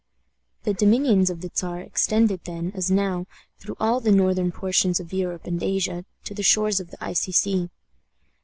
The dominions of the Czar extended then, as now, through all the northern portions of Europe and Asia, to the shores of the Icy Sea.